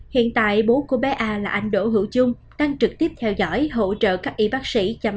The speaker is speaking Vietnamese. hiện tại bố của bé a là anh đỗ hữu chung đang trực tiếp theo dõi hỗ trợ các y bác sĩ chăm